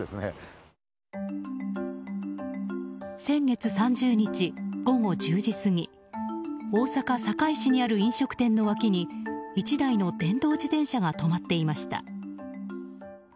先月３０日、午後１０時過ぎ大阪・堺市にある飲食店の脇に１台の電動自転車が止まっていました。